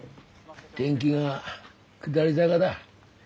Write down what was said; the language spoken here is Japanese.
天気が下り坂だ。